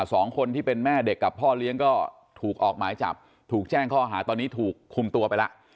สองคนที่เป็นแม่เด็กกับพ่อเลี้ยงก็ถูกออกหมายจับถูกแจ้งข้อหาตอนนี้ถูกคุมตัวไปแล้ว